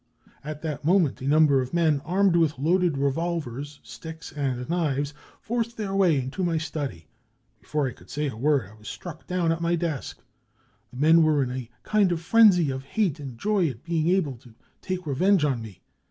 <c At that moment a number of men armed with loaded revolvers, sticks and knives forced their way into my study. Before I could say a word I was struck down at my desk. The men were in a kind of frenzy of hate and joy at being able to take revenge on me.